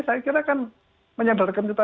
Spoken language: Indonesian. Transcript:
saya kira kan menyadarkan kita